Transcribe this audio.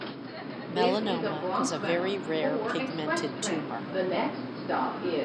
Melanoma is a very rare pigmented tumour.